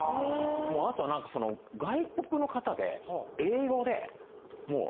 あとはなんかその外国の方で英語で。